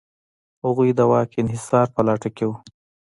هغوی د واک انحصار په لټه کې و.